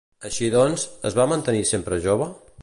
Així doncs, es va mantenir sempre jove?